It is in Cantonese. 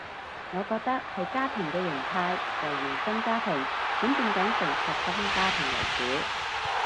我覺得係家庭嘅型態由延伸家庭轉變緊成核心家庭為主